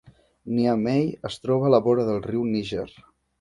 Niamey es troba a la vora del riu Níger.